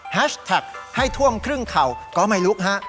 แท็กให้ท่วมครึ่งเข่าก็ไม่ลุกฮะ